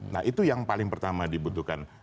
nah itu yang paling pertama dibutuhkan